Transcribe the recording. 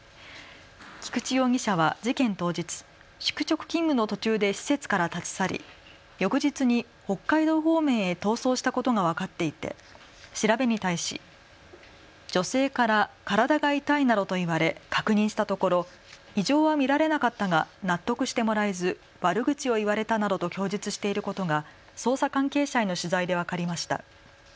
菊池容疑者は事件当日、宿直勤務の途中で施設から立ち去り、翌日に北海道方面へ逃走したことが分かっていて調べに対し女性から体が痛いなどと言われ確認したところ異常は見られなかったが納得してもらえず悪口を言われたなどと供述していることが捜査関係者への取材で分かりました。